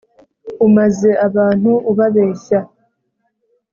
umaze abantu uba beshya